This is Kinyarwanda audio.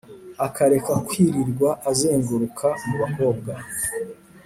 akareka kwirirwa azenguruka mu bakobwa